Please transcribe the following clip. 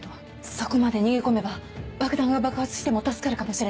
そこまで逃げ込めば爆弾が爆発しても助かるかもしれない。